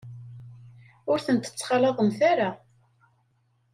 Ur tent-ttxalaḍemt ara.